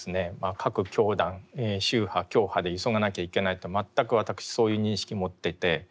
各教団宗派教派で急がなきゃいけないと全く私そういう認識持っていて。